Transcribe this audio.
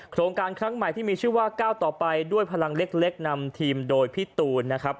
โครงการครั้งใหม่ที่มีชื่อว่าก้าวต่อไปด้วยพลังเล็กนำทีมโดยพี่ตูนนะครับ